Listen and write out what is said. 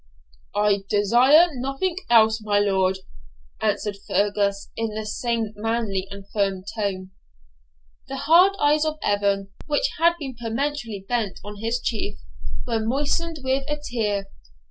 'I desire nothing else, my lord,' answered Fergus, in the same manly and firm tone. The hard eyes of Evan, which had been perpetually bent on his Chief, were moistened with a tear.